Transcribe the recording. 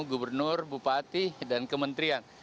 gubernur bupati dan kementerian